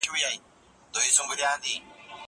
لیک د زهشوم له خوا کيږي!